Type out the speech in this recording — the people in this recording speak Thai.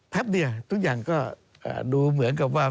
เดียทุกอย่างก็ดูเหมือนกับว่า